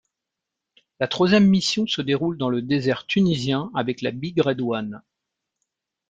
La troisième mission se déroule dans le désert tunisien avec la Big Red One.